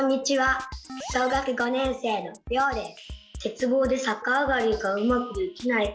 小学５年生のりょうです。